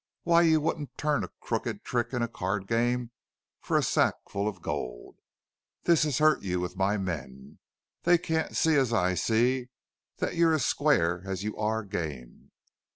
Why, you wouldn't turn a crooked trick in a card game for a sack full of gold. This has hurt you with my men. They can't see as I see, that you're as square as you are game.